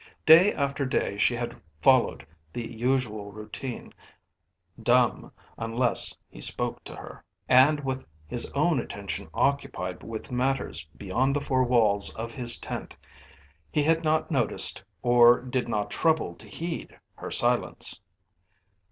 Day after day she had followed the usual routine, dumb unless he spoke to her; and with his own attention occupied with matters beyond the four walls of his tent he had not noticed or did not trouble to heed her silence.